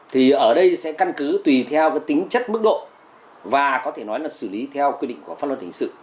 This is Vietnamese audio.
thì ở đây sẽ căn cứ tùy theo cái tính chất mức độ và có thể nói là xử lý theo quy định của pháp luật hình sự